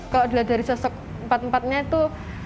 kalau dari sosok empat empatnya itu